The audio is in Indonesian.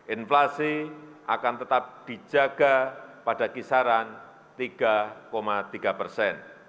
inflasi akan tetap dijaga pada kisaran tiga tiga persen